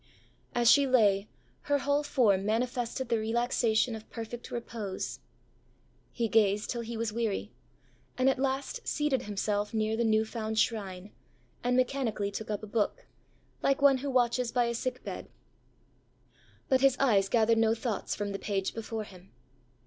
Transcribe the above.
As she lay, her whole form manifested the relaxation of perfect repose. He gazed till he was weary, and at last seated himself near the new found shrine, and mechanically took up a book, like one who watches by a sick bed. But his eyes gathered no thoughts from the page before him.